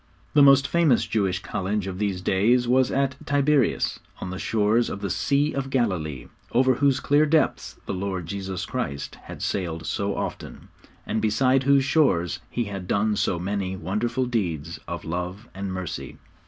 The most famous Jewish college of these days was at Tiberius, on the shores of the 'Sea of Galilee,' over whose clear depths the Lord Jesus Christ had sailed so often, and beside whose shores He had done so many wonderful deeds of love and mercy.